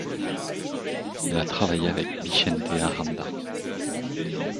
Elle a travaillé avec Vicente Aranda.